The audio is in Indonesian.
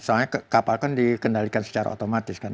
soalnya kapal kan dikendalikan secara otomatis kan